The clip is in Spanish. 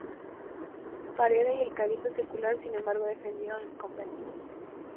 Pereda y el Cabildo Secular, sin embargo, defendieron el Convento.